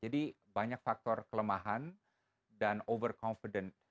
jadi banyak faktor kelemahan dan over confident